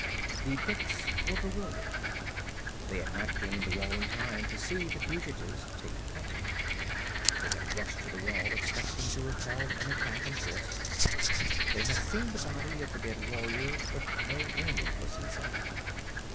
The Picts were bewildered. They had not gained the wall in time to see the fugitives take cover. They had rushed to the wall expecting to repel an attack in force. They had seen the body of the dead warrior. But no enemy was in sight.